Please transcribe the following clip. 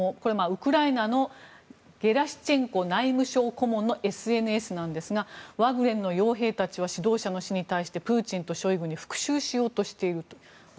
ウクライナのゲラシチェンコ内務省顧問のＳＮＳなんですがワグネルの傭兵たちは指導者の死に対してプーチンとショイグに報復しようとしていると。